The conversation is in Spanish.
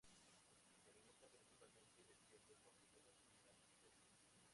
Se alimenta principalmente de pequeños mamíferos y grandes insectos.